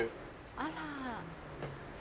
あら。